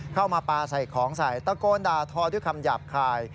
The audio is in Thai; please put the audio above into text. เข้ามาปลาใส่ของใส่ตะโกนด่าทอด้วยคำหยาบคาย